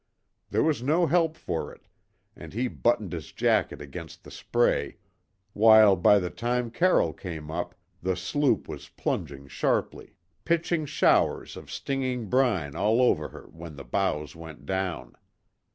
There was no help for it, and he buttoned his jacket against the spray, while by the time Carroll came up the sloop was plunging sharply; pitching showers of stinging brine all over her when the bows went down.